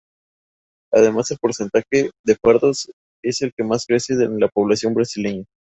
Además, el porcentaje de pardos es el que más crece en la población brasileña.